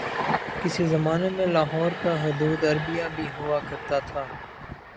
کسی زمانے میں لاہور کا حدوداربعہ بھی ہوا کرتا تھا